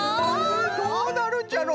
どうなるんじゃろう？